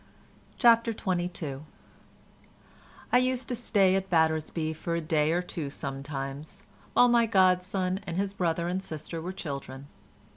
CHAPTER XXII I used to stay at Battersby for a day or two sometimes, while my godson and his brother and sister were children.